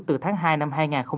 từ tháng hai năm hai nghìn hai mươi